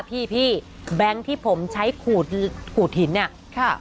พี่แบงค์ที่ผมใช้ขูดหินเนี่ย